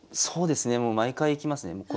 そうですねもう毎回行きますね。